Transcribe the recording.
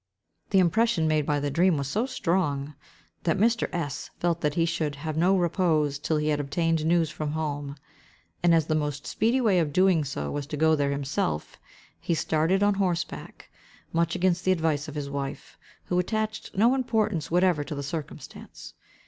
The impression made by the dream was so strong, that Mr. S—— felt that he should have no repose till he had obtained news from home; and as the most speedy way of doing so was to go there himself, he started on horseback, much against the advice of his wife, who attached no importance whatever to the circumstance.